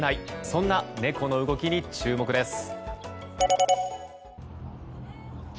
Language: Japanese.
そんな猫の動きに注目です。